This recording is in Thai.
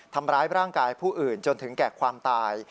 ทำร้ายร่างกายผู้อื่นจนถึงแก่ความตาย